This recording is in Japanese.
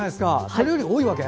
それより多いわけ？